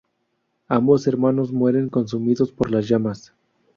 Ambos hermanos mueren consumidos por las llamas.